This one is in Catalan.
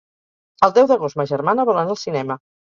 El deu d'agost ma germana vol anar al cinema.